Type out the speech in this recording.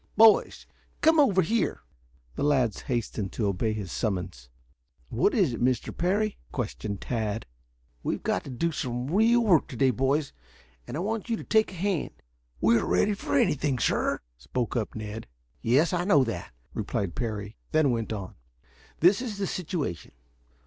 Boys, come over here!" The lads hastened to obey his summons. "What is it, Mr. Parry?" questioned Tad. "We've got to do some real work to day, boys, and I want you to take a hand." "We are ready for anything, sir," spoke up Ned. "Yes, I know that," replied Parry; then went on: "This is the situation.